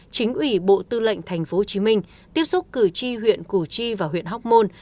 chính ủy bộ tư lệnh tp hcm tiếp xúc cử tri huyện củ chi và huyện hóc môn